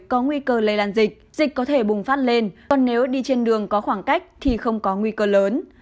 có nguy cơ lây lan dịch dịch có thể bùng phát lên còn nếu đi trên đường có khoảng cách thì không có nguy cơ lớn